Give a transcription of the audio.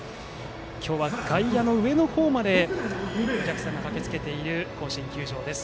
今日は外野の上の方までお客さんが駆けつけている甲子園球場です。